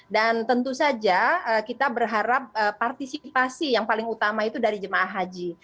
dan tentu saja kita berharap partisipasi yang paling utama itu dari jemaah haji